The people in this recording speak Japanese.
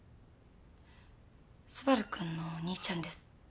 昴くんのお兄ちゃんです。